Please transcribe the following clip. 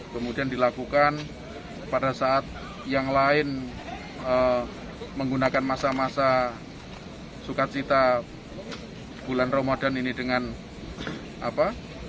kemudian dilakukan pada saat yang lain menggunakan masa masa sukacita bulan ramadan ini dengan apa